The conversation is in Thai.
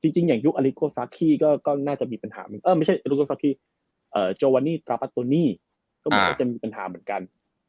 จริงอย่างยุคอลิโกซาคีก็น่าจะมีปัญหาไม่ใช่อลิโกซาคีโจวานีตราปาตโตนีก็มีปัญหาเหมือนกัน